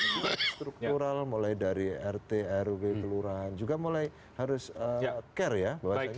struktural mulai dari rt rw kelurahan juga mulai harus care ya